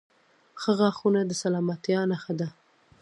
• ښه غاښونه د سلامتیا نښه ده.